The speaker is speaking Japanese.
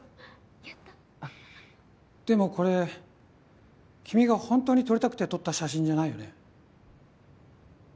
やったでもこれ君がホントに撮りたくて撮った写真じゃないよね？